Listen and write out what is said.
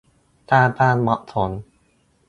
ตามความเหมาะสม